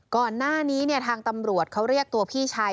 ก่อนหน้านี้ทางตำรวจเขาเรียกตัวพี่ชาย